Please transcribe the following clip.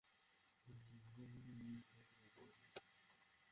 যে বিষয় আপনার অবগতিতে জ্ঞানায়ত্ত নেই, সে বিষয়ে আপনি ধৈর্যধারণ করবেন কেমন করে?